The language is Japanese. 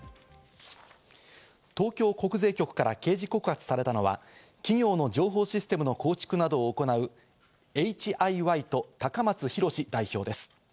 東京国税局から刑事告発されたのは企業の情報システムの構築などを行うエイチ・アイ・ワイと高松洋代表です。